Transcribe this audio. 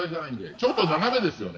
ちょっと斜めですよね。